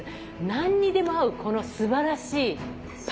何にでも合うこのすばらしいパスタ。